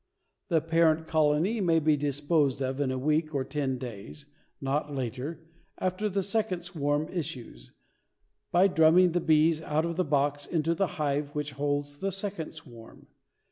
The parent colony may be disposed of in a week or ten days (not later) after the second swarm issues, by drumming the bees out of the box into the hive which holds the second swarm.